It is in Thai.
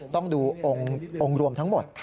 ต้องดูองค์รวมทั้งหมด